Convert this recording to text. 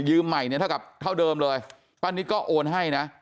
ยืมใหม่เนี่ยเท่าเดิมเลยป้านิตก็โอนให้นะ